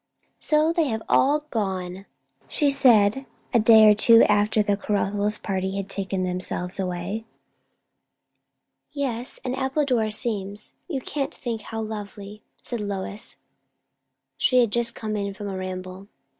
"So they have all gone!" she said, a day or two after the Caruthers party had taken themselves away. "Yes, and Appledore seems, you can't think how lonely," said Lois. She had just come in from a ramble.